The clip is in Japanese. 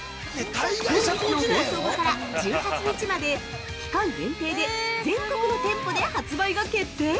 本日の放送後から１８日まで期間限定で全国の店舗で発売が決定！